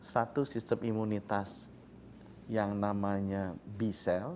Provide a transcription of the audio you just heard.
satu sistem imunitas yang namanya b cell